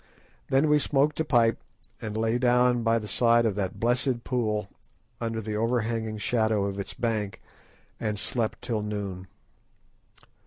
Then we smoked a pipe, and lay down by the side of that blessed pool, under the overhanging shadow of its bank, and slept till noon.